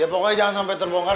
pokoknya jangan sampai terbongkar